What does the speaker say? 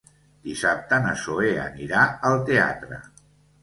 Dissabte na Zoè anirà al teatre.